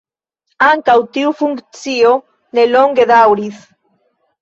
Ankaŭ tiu funkcio ne longe daŭris.